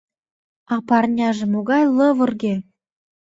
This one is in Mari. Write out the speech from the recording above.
А парняже могай лывырге!